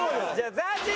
ＺＡＺＹ！